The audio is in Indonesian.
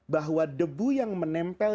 bahwa debu yang menempel